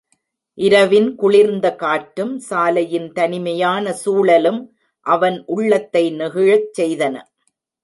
இரவின் குளிர்ந்த காற்றும், சாலையின் தனிமையான சூழலும் அவன் உள்ளத்தை நெகிழச் செய்தன.